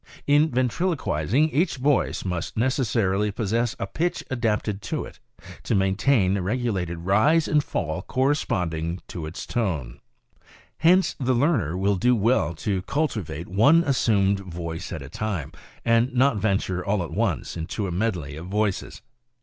In ventriloquizing each voice must necessarily possess a pitch adapted to it, to main tain a regulated rise and fall corresponding to its tone. Hence the learner will do well to cultivate one assumed voice at a time, and not venture all at once into a medley of voices.